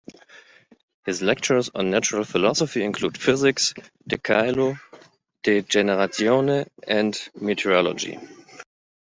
His lectures on natural philosophy include "Physics", "De caelo", "De generatione", and "Meteorology".